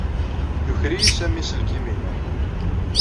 Yuker-iyi Sami aselkim-inu.